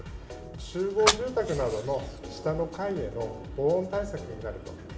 集合住宅などの下の階への防音対策になると。